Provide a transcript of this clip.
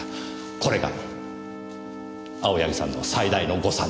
これが青柳さんの最大の誤算です。